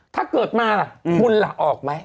ถ้าเกิดมาล่ะคุณล่ะออกไหม